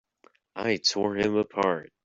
I tore him apart!